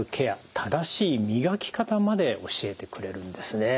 正しい磨き方まで教えてくれるんですね。